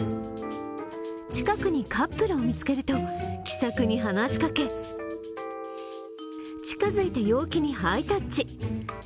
近くにカップルを見つけると気さくに話しかけ近づいて陽気にハイタッチ。